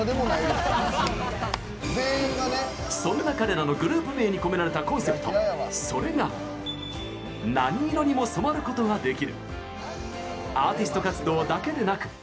そんな彼らのグループ名に込められたコンセプト、それがアーティスト活動だけでなく。